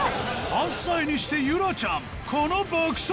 ８歳にして優來ちゃんこの爆速！